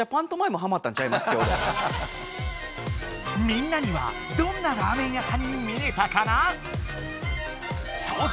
みんなにはどんなラーメン屋さんに見えたかな？